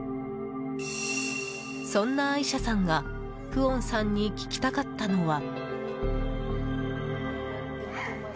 そんなアイシャさんがフオンさんに聞きたかったのは。